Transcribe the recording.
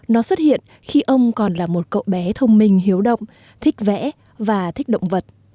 nó xuất hiện khi ông còn là một cậu bé thông minh hiếu động thích vẽ và thích động vật